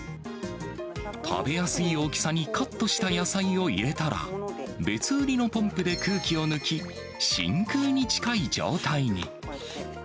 食べやすい大きさにカットした野菜を入れたら、別売りのポンプで空気を抜き、真空に近い状態に。